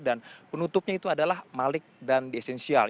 dan penutupnya itu adalah malik dan the essential